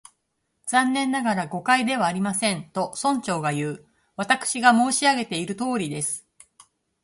「残念ながら、誤解ではありません」と、村長がいう。「私が申し上げているとおりです」